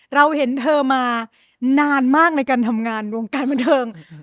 เราเห็นเธอมานานมากในการทำงานวงการบันเทิง